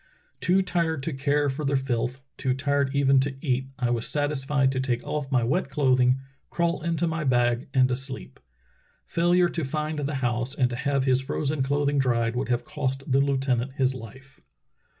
Too tired to care for the filth, too tired even to eat, I was satisfied to take off my wet cloth ing, crawl into my bag, and to sleep." Failure to find the house and to have his frozen clothing dried would have cost the lieutenant his Hfe.